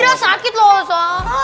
idra sakit loh ustaz